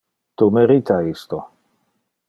Tu merita isto.